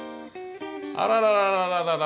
あららら。